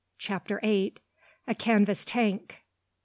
CHAPTER EIGHT. A CANVAS TANK.